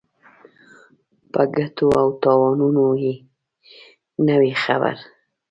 په ګټو او تاوانونو یې نه وي خبر.